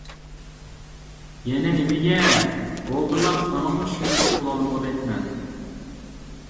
يەنە نېمىگە. بولدىلا ساڭىمۇ چۈشەندۈرۈپ بولالمىغۇدەكمەن.